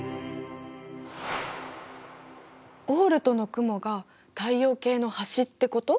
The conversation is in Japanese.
オールトの雲が太陽系の端ってこと！？